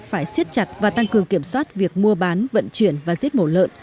phải siết chặt và tăng cường kiểm soát việc mua bán vận chuyển và giết mổ lợn